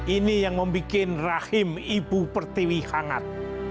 ini yang membuat rahim ibu pertiwi hangat